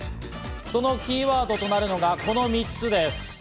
そのキーワードとなるのが、この３つです。